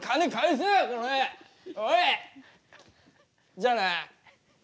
じゃあな。